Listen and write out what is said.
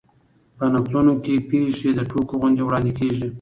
په نکلونو کښي پېښي د ټوګو غوندي وړاندي کېږي.